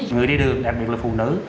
người đi đường đặc biệt là phụ nữ